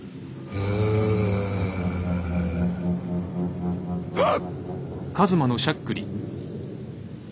うわあっ！